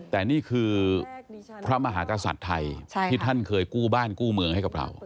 แต่นี่คือพระมหากษัตริย์ไทยที่ท่านเคยกู้บ้านกู้เมืองให้กับเรา